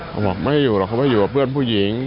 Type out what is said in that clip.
เขาบอกไม่อยู่หรอกเขาไม่อยู่กับเพื่อนผู้หญิง